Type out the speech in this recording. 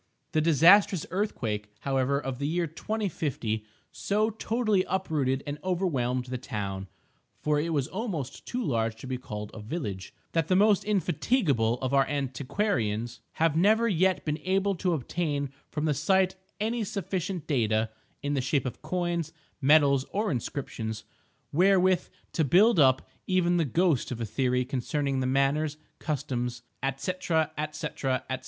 The disastrous earthquake, however, of the year 2050, so totally uprooted and overwhelmed the town (for it was almost too large to be called a village) that the most indefatigable of our antiquarians have never yet been able to obtain from the site any sufficient data (in the shape of coins, medals or inscriptions) wherewith to build up even the ghost of a theory concerning the manners, customs, &c., &c., &c.